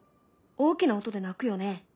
大きな音で鳴くよね。